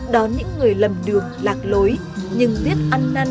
đón những người lầm đường lạc lối nhưng biết ăn năn hối cải trở về